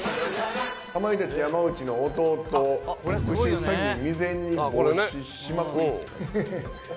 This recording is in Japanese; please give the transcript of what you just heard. かまいたち・山内の弟、特殊詐欺未然に防止しまくり。